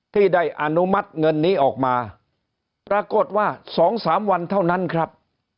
ที่ได้อนุมัติเงินนี้ออกมาปรากฏว่า๒๓วันเท่านั้นครับ